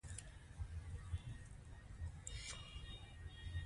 الف : الهی قوانین او قواعد